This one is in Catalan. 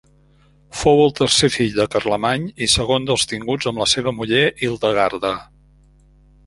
Fou el tercer fill de Carlemany i segon dels tinguts amb la seva muller Hildegarda.